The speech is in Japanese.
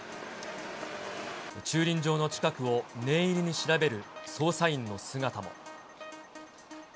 駐輪場の近くを念入りに調べる捜査員の姿も。